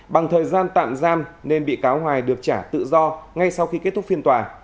bằng thời gian tạm giam nên bị cáo hoài được trả tự do ngay sau khi kết thúc phiên tòa